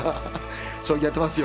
将棋やってますよ。